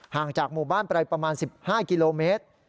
จากหมู่บ้านไปประมาณ๑๕กิโลเมตร